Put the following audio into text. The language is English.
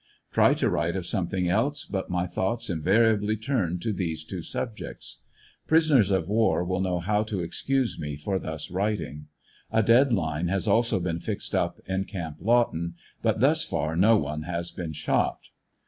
Try to write of something else, but my thoughts invariably turn to these two subjects. Prisoners of war will know how to excuse me for thus writing. A dead line has also been fixed up in Camp Lawton, but thus far no one has been shot.